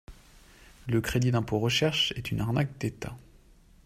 Le crédit impôt recherche est une arnaque d'Etat.